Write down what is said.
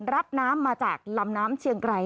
รับน้ำมาจากลำน้ำเชียงไกร